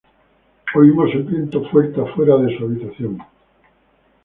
Oímos el viento fuerte afuera de su habitación.